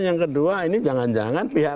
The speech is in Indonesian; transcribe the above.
yang kedua ini jangan jangan pihak